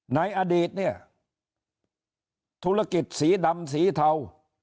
ในอดีตเนี่ยธุรกิจสีดำสีเทา